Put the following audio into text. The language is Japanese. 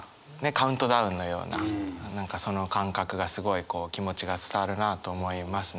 カウントダウンのようなその感覚がすごいこう気持ちが伝わるなと思いますね。